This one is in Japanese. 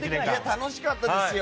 楽しかったですよ。